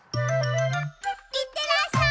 いってらっしゃい！